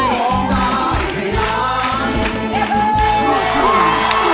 โรงใจให้ร้อง